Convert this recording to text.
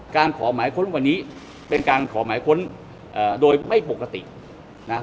ขอหมายค้นวันนี้เป็นการขอหมายค้นโดยไม่ปกตินะ